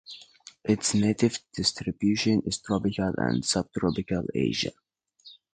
Its native distribution is tropical and subtropical Asia.